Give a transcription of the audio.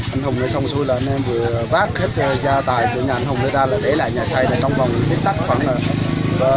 anh hùng nói xong xui là anh em vừa vác hết gia tài của nhà anh hùng ra là để lại nhà xây này trong vòng tích tắc khoảng là